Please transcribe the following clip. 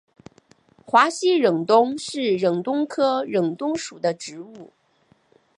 华西忍冬是忍冬科忍冬属的植物。